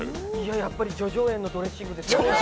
やっぱり叙々苑のドレッシングですよね。